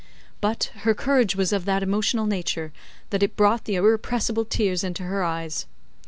But, her courage was of that emotional nature that it brought the irrepressible tears into her eyes.